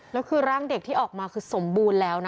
แล้วคือร่างเด็กที่ออกมาคือสมบูรณ์แล้วนะ